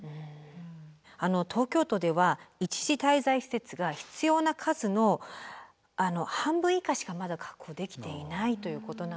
東京都では一時滞在施設が必要な数の半分以下しかまだ確保できていないということなんですよね。